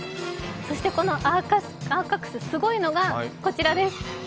そしてこのアーカックス、すごいのがこちらです。